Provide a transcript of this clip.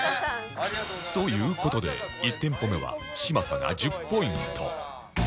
という事で１店舗目は嶋佐が１０ポイント